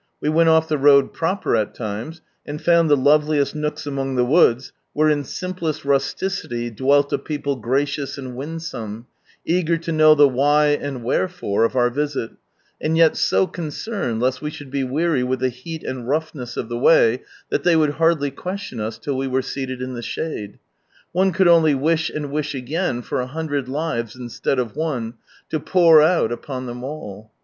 We went off the road proper, at times, and found the loveliest nooks among the woods where in simplest rusticity dwelt a people gracious and winsome, eager to know (he why and wherefore of our visit, and yet so concerned lest we should be weary with the heat and roughness of the way that they would hardly question t;s till we were seated in the shade. One could only wish and wish again for a hundred lives instead of one, to " pour out " upon them all.